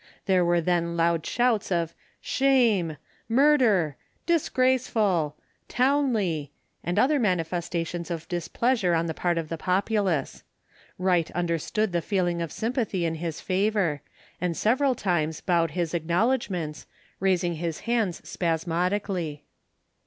There were then loud shouts of "Shame," "Murder," "Disgraceful," "Townley," and other manifestations of displeasure on the part of the populace. Wright understood the feeling of sympathy in his favour, and several times bowed his acknowledgments, raising his hands spasmodically.